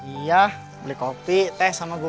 iya beli kopi teh sama gue